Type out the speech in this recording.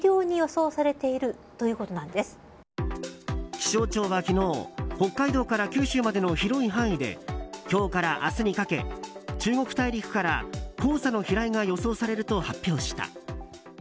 気象庁は昨日北海道から九州までの広い範囲で今日から明日にかけ中国大陸から黄砂の飛来が予想されると発表した。